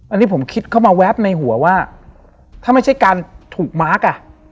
อันนี้ผมคิดเข้ามาแวบในหัวว่าถ้าไม่ใช่การถูกมาร์คอ่ะ